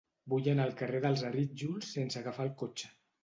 Vull anar al carrer dels Arítjols sense agafar el cotxe.